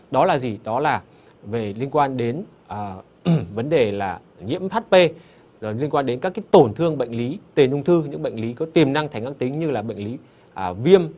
đó là gì đó là liên quan đến vấn đề nhiễm hp các tổn thương bệnh lý tên ung thư những bệnh lý có tiềm năng thành ngang tính như là bệnh lý viêm